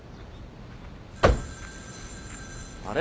・☎あれ？